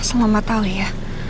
asal mamah tau ya